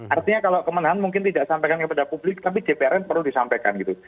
artinya kalau kemenahan mungkin tidak sampaikan kepada publik tapi dpr nya perlu disampaikan gitu